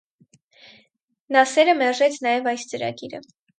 Նասերը մերժեց նաև այս ծրագիրը։